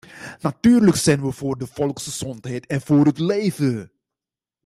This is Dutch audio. Natuurlijk zijn wij voor de volksgezondheid en voor het leven.